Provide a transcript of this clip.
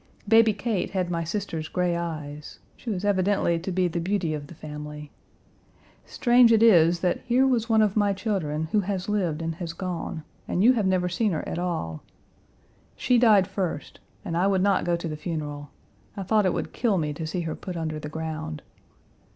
Baby Kate had my sister's gray eyes; she was evidently to be the beauty of the family. Strange it is that here was one of my children who has lived and has gone and you Page 223 have never seen her at all. She died first, and I would not go to the funeral. I thought it would kill me to see her put under the ground.